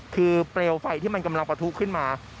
คือเปลวไฟที่มันกำลังประทุขึ้นมา